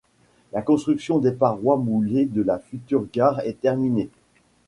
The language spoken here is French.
La construction des parois moulées de la future gare est terminée.